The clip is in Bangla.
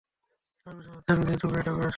আমার বিশ্বাস হচ্ছে না যে, তুমি এটা করেছ।